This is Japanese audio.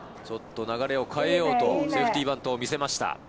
ちょっと流れを変えようとセーフティーバントを見せました。